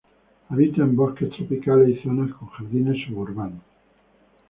Habita en bosques tropicales y zonas con jardines suburbanos.